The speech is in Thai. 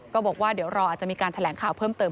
ก็บอกว่าเดี๋ยวรออาจจะมีการแถลงข่าวเพิ่มเติม